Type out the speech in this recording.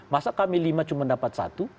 masa kami lima cuma dapat satu